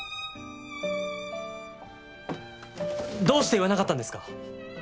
どうして言わなかったんですか？